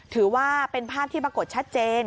ถือว่าเป็นภาพที่ปรากฏชัดเจน